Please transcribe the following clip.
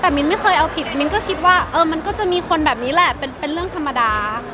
แต่มิ้นไม่เคยเอาผิดมิ้นก็คิดว่ามันก็จะมีคนแบบนี้แหละเป็นเรื่องธรรมดา